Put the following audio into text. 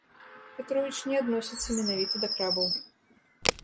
Пятровіч не адносіцца менавіта да крабаў.